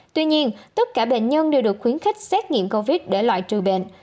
tuy nhiên tất cả bệnh nhân đều được khuyến khích xét nghiệm covid để loại trừ bệnh